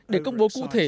để công bố cụ thể